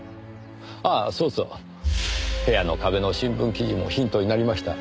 ああそうそう部屋の壁の新聞記事もヒントになりました。